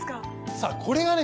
さぁこれがね